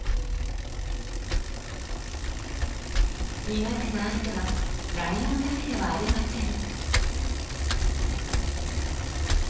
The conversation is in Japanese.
苦手な相手はライオンだけではありません。